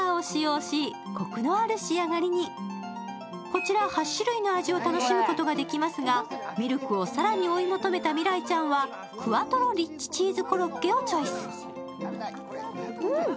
こちら８種類の味を楽しむことができますがミルクを更に追い求めた未来ちゃんはクアトロリッチチーズコロッケをチョイス。